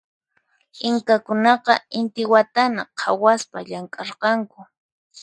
Inkakunaqa intiwatanata khawaspa llamk'arqanku.